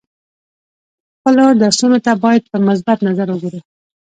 خپلو درسونو ته باید په مثبت نظر وګورو.